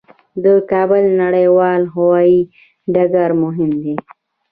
د کابل نړیوال هوايي ډګر مهم دی